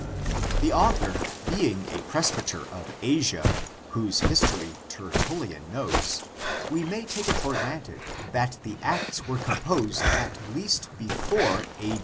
The author being a presbyter of Asia, whose history Ter tullian knows, we may take it for granted that the Acts were composed at least before A.